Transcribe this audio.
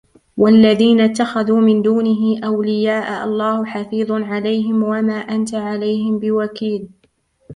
وَالَّذِينَ اتَّخَذُوا مِنْ دُونِهِ أَوْلِيَاءَ اللَّهُ حَفِيظٌ عَلَيْهِمْ وَمَا أَنْتَ عَلَيْهِمْ بِوَكِيلٍ